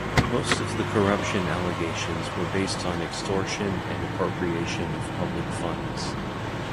Most of the corruption allegations were based on extortion and appropriation of public funds.